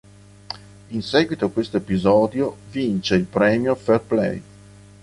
In seguito a questo episodio vince il premio fair-play.